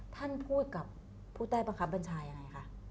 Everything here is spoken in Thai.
ท่านพูดกับผู้ใต้บังคับบัญชายังไงคะ